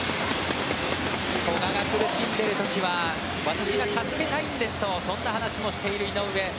古賀が苦しんでいる時は私が助けたいんですとそんな話もしている井上。